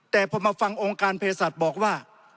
แต่พอมาฟังองค์การพฤษฎบอกว่า